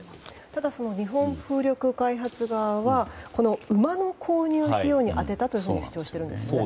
ただ、日本風力開発側は馬の購入費用に充てたと主張しているんですよね。